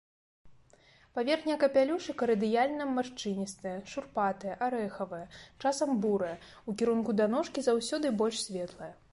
Паверхня капялюшыка радыяльна-маршчыністая, шурпатая, арэхавая, часам бурая, у кірунку да ножкі заўсёды больш светлая.